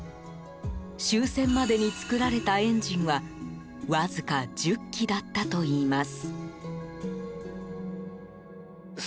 終戦までに造られたエンジンはわずか１０基だったといいます。